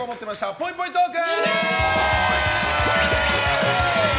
ぽいぽいトーク！